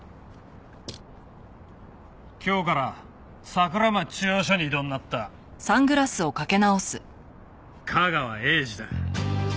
今日から桜町中央署に異動になった架川英児だ。